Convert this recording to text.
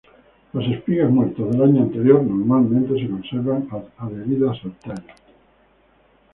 Las espigas muertas del año anterior normalmente se conservan adheridas al tallo.